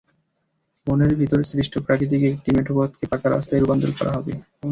বনের ভেতরে সৃষ্ট প্রাকৃতিক একটি মেঠোপথকে পাকা রাস্তায় রূপান্তর করা হবে।